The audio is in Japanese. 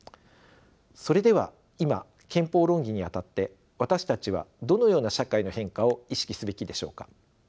それでは今憲法論議に当たって私たちはどのような社会の変化を意識すべきでしょうか。